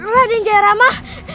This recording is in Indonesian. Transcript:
raden jaya rama